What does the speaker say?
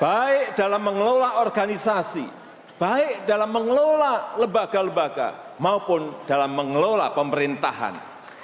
baik dalam mengelola organisasi baik dalam mengelola lembaga lembaga maupun dalam mengelola pemerintahan